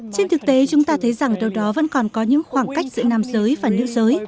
trên thực tế chúng ta thấy rằng đâu đó vẫn còn có những khoảng cách giữa nam giới và nữ giới